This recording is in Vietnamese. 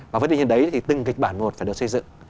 và với tình hình đấy thì từng kịch bản một phải được xây dựng